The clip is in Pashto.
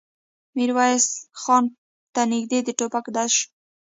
ميرويس خان ته نږدې د ټوپک ډز شو.